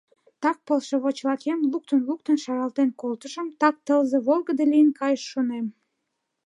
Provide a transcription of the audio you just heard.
Так пылшовычлакем, луктын-луктын, шаралтен колтышым — так тылзе волгыдо лийын кайыш, шонем.